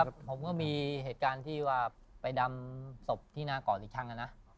ผมก็มีเหตุการณ์ไปดำสบที่นา้ก่อนอีกครั้ง